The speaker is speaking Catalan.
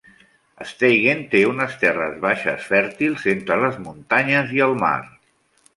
Steigen té unes terres baixes fèrtils entre les muntanyes i el mar.